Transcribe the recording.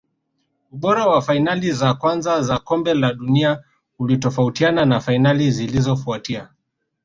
ubora wa fainali za kwanza za kombe la dunia ulitofautiana na fainali zilizofautia